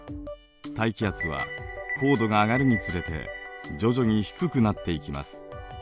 大気圧は高度が上がるにつれて徐々に低くなっていきます。